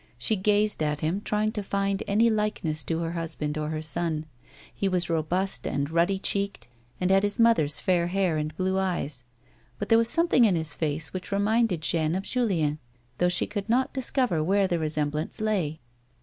She gazed at him, trying to find any likeness to her husband or her son. He was robust and ruddy cheeked and had his mother's fair hair and blue eyes, but there M'as something in his face which reminded Joanne of Julien, though she could not discover where the resemblance lay.